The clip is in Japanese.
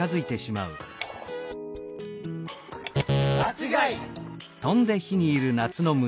「まちがい！」。